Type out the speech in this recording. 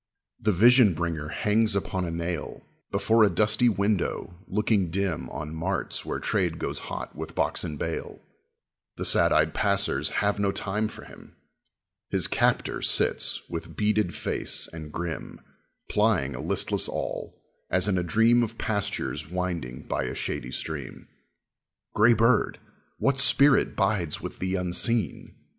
The vision bringer hangs upon a nail Before a dusty window, looking dim On marts where trade goes hot with box and bale; The sad eyed passers have no time for him. His captor sits, with beaded face and grim, Plying a listless awl, as in a dream Of pastures winding by a shady stream. Gray bird, what spirit bides with thee unseen?